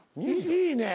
いいね。